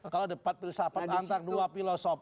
kalau debat filsafat antar dua filosofi